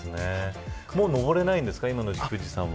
もう登れないんですか今の時期、富士山は。